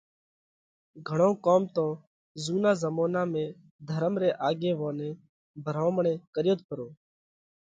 گھڻو ڪوم تو زُونا زمونا ۾ ڌرم ري آڳيووني ڀرومڻي ڪريوت پرو